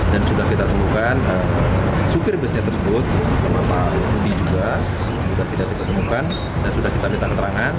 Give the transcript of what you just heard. dan sudah kita temukan supir busnya tersebut teman teman budi juga sudah kita temukan dan sudah kita datang keterangan